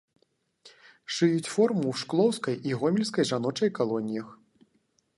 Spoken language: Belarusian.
Шыюць форму ў шклоўскай і гомельскай жаночай калоніях.